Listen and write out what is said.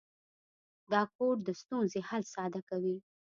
دا کوډ د ستونزې حل ساده کوي.